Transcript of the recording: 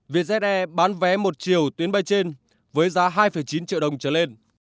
vze bán vé một chiều tuyến bay trên với giá hai chín triệu đồng trở lên